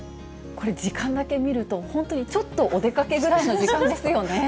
これ、時間だけ見ると、本当にちょっとお出かけぐらいの時間ですよね。